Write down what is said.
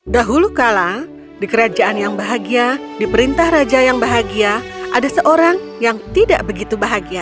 dahulu kala di kerajaan yang bahagia di perintah raja yang bahagia ada seorang yang tidak begitu bahagia